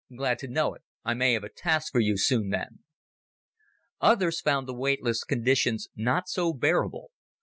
"Glad to know it. I may have a task for you soon, then." Others found the weightless conditions not so bearable.